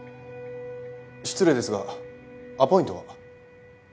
失礼ですがアポイントは？